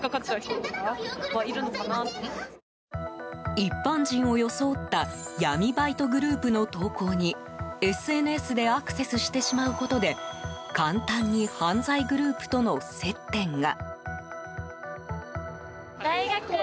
一般人を装った闇バイトグループの投稿にＳＮＳでアクセスしてしまうことで簡単に犯罪グループとの接点が。